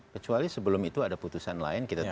kecuali sebelum itu ada putusan lain kita tahu